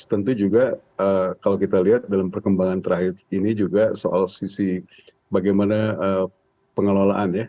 tentu juga kalau kita lihat dalam perkembangan terakhir ini juga soal sisi bagaimana pengelolaan ya